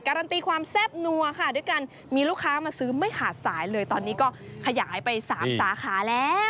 การันตีความแซ่บนัวค่ะด้วยกันมีลูกค้ามาซื้อไม่ขาดสายเลยตอนนี้ก็ขยายไป๓สาขาแล้ว